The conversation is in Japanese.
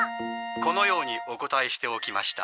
このようにお答えしておきました。